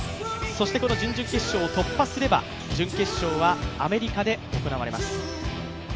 そして準々決勝を突破すれば準決勝は、アメリカで行われます。